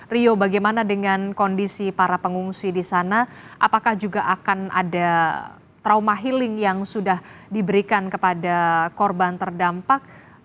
rio bagaimana dengan kondisi para pengungsi di sana apakah juga akan ada trauma healing yang sudah diberikan kepada korban terdampak